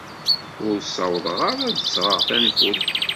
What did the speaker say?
Ur ssawḍeɣ ara ad d-sɣeɣ tanfult.